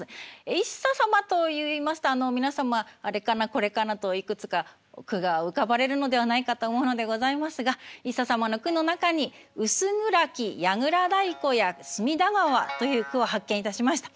一茶様といいますと皆様あれかなこれかなといくつか句が浮かばれるのではないかと思うのでございますが一茶様の句の中に「薄暗き櫓太鼓や隅田川」という句を発見いたしました。